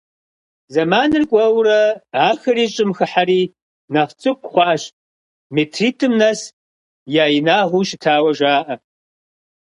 Зэманыр кӀуэурэ ахэри щӀым хыхьэри нэхъ цӀыкӀу хъуащ, метритӀым нэс я инагъыу щытауэ жаӀэ.